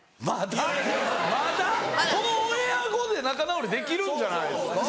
このオンエア後で仲直りできるんじゃないですか？